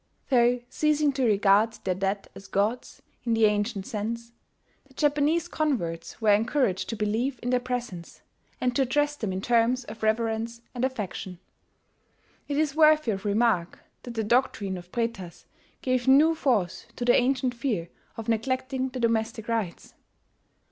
Though ceasing to regard their dead as gods in the ancient sense, the Japanese converts were encouraged to believe in their presence, and to address them in terms of reverence and affection. It is worthy of remark that the doctrine of Pretas gave new force to the ancient fear of neglecting the domestic rites.